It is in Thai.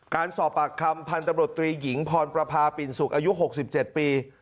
การสอบปากคำพนตรบรถตรีหญิงพรประพาปิ่นศุกร์อายุหกสิบเจ็ดปี